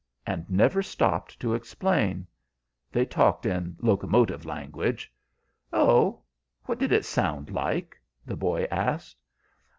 and never stopped to explain. They talked in locomotive language " "Oh, what did it sound like?" the boy asked.